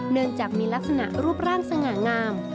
เนื่องจากมีลักษณะรูปร่างสง่างาม